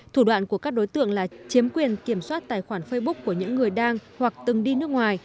thủ đoạn của các đối tượng là chiếm quyền kiểm soát tài khoản facebook của những người đang hoặc từng đi nước ngoài